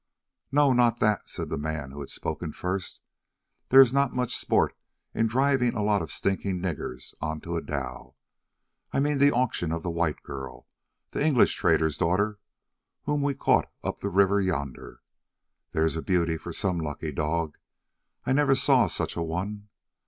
"No, not that," said the man who had spoken first, "there is not much sport in driving a lot of stinking niggers on to a dhow. I mean the auction of the white girl, the English trader's daughter, whom we caught up the river yonder. There's a beauty for some lucky dog; I never saw such a one.